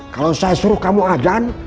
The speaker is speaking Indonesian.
kalau saya suruh kamu ajan